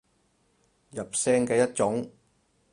入聲嘅一種